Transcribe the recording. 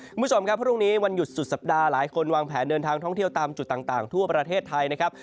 คุณผู้ชมครับพรุ่งนี้วันหยุดสุดสัปดาห์หลายคนวางแผนเดินทางท่องเที่ยวตามจุดต่างทั่วประเทศไทยนะครับ